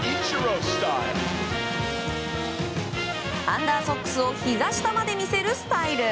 アンダーソックスをひざ下まで見せるスタイル。